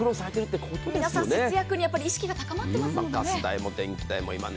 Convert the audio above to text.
皆さん節約に意識が高まってますもんね。